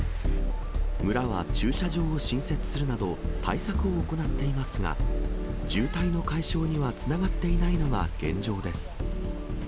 村は駐車場を新設するなど、対策を行っていますが、渋滞の解消にはつながっていないのが現状です。